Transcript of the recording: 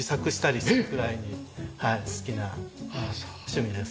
好きな趣味です。